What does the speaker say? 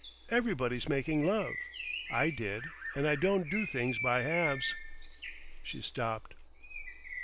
Everybody's making love. I did.... And I don't do things by halves." She stopped.